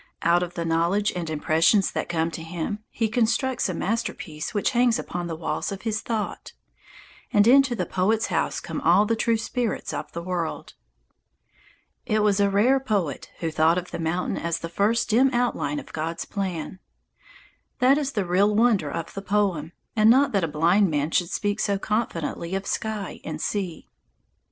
Out of the knowledge and impressions that come to him he constructs a masterpiece which hangs upon the walls of his thought. And into the poet's house come all the true spirits of the world. It was a rare poet who thought of the mountain as "the first dim outline of God's plan." That is the real wonder of the poem, and not that a blind man should speak so confidently of sky and sea.